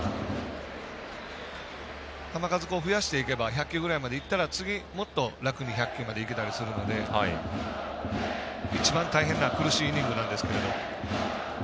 球数を増やしていけば１００球ぐらいまでいけば次は、もっと楽に１００球までいけたりするので一番大変な苦しいイニングなんですけど。